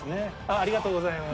ありがとうございます。